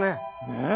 ねえ！